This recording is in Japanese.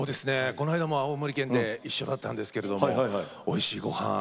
こないだも青森県で一緒だったんですけれどもおいしいごはん